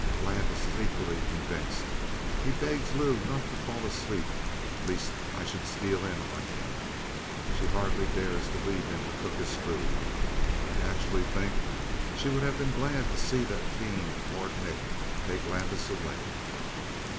"Landis is equally convinced. He begs Lou not to fall asleep lest I should steal in on him. She hardly dares leave him to cook his food. I actually think she would have been glad to see that fiend, Lord Nick, take Landis away!"